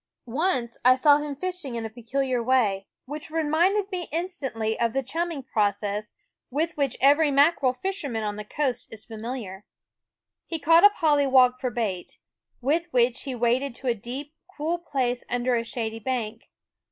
Once I saw him fishing in a peculiar way, which reminded me instantly of the chum ming process with which every mackerel THE WOODS fisherman on the coast is familiar. He caught a pollywog for bait, with which he waded to a deep, cool place under a shady bank.